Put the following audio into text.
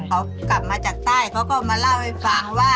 เขากลับมาจากใต้เขาก็มาเล่าให้ฟังว่า